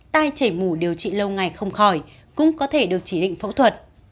tai chảy mũ điều trị lâu ngày không khỏi cũng có thể được chỉ định phẫu thuật